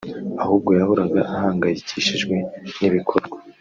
Ahubwo yahoraga ahangayikishijwe n’ibikorwa